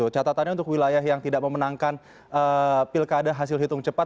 catatannya untuk wilayah yang tidak memenangkan pilkada hasil hitung cepat